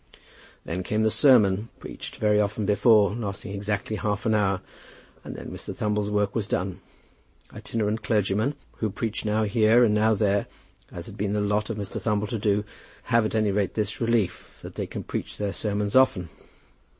Then came the sermon, preached very often before, lasting exactly half an hour, and then Mr. Thumble's work was done. Itinerant clergymen, who preach now here and now there, as it had been the lot of Mr. Thumble to do, have at any rate this relief, that they can preach their sermons often.